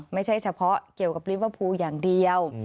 ไม่ใช่เฉพาะเกี่ยวกับลิเวอร์พูลอย่างเดียว